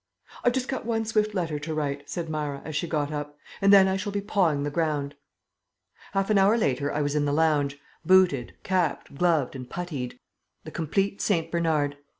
"I've just got one swift letter to write," said Myra, as she got up, "and then I shall be pawing the ground." Half an hour later I was in the lounge, booted, capped, gloved, and putteed the complete St. Bernard.